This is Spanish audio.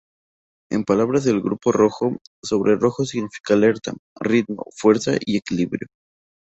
En palabras del grupo Rojo Sobre rojo significa alerta, ritmo, fuerza y equilibrio.